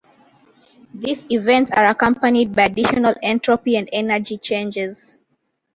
These events are accompanied by additional entropy and energy changes.